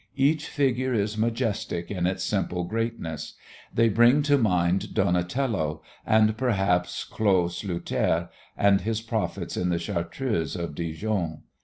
Each figure is majestic in its simple greatness. They bring to mind Donatello and, perhaps, Claux Sluter and his prophets in the Chartreuse of Dijon.